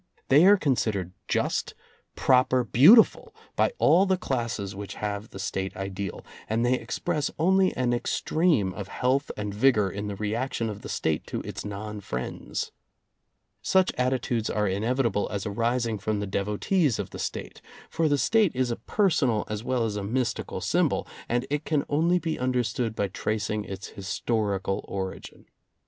They are considered just, proper, beautiful by all the classes which have the State ideal, and they express only an extreme of health and vigor in the reaction of the State to its non friends. Such attitudes are inevitable as arising from the devotees of the State. For the State is a per sonal as well as a mystical symbol, and it can only be understood by tracing its historical origin.